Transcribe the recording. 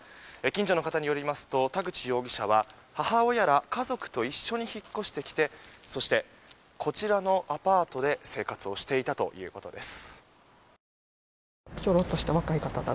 近所の方によりますと田口容疑者は母親ら、家族と一緒に引っ越してきてそして、こちらのアパートで生活をしていたということです。